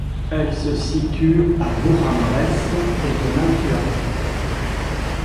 Elle se situe à de Bourg-en-Bresse et de Nantua.